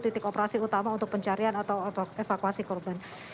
terutama untuk pencerian atau evakuasi korban